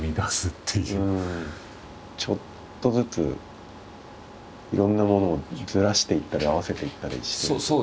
ちょっとずついろんなものをずらしていったり合わせていったりしてるんですね。